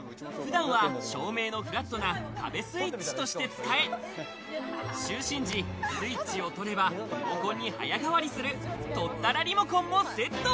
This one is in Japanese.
普段は照明のフラットな壁スイッチとして使え、就寝時、スイッチをとればリモコンに早変わりする「とったらリモコン」もセット。